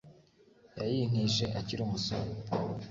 yayintije akiri umusore